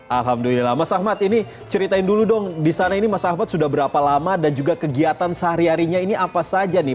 alhamdulillah mas ahmad ini ceritain dulu dong di sana ini mas ahmad sudah berapa lama dan juga kegiatan sehari harinya ini apa saja nih